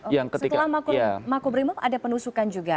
setelah mako brimob ada penusukan juga